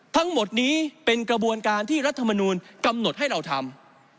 ทั้งหมดนี้เป็นกระบวนการที่รัฐมนูลกำหนดให้เราทำ